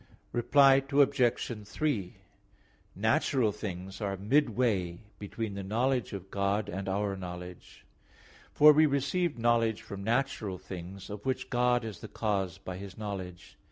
Reply Obj. 3: Natural things are midway between the knowledge of God and our knowledge: for we receive knowledge from natural things, of which God is the cause by His knowledge.